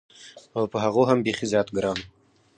او په هغو هم بېخي زیات ګران و.